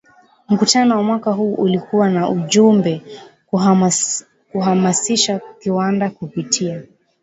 Mkutano wa mwaka huu ulikuwa na ujumbe kuhamasisha viwanda kupitia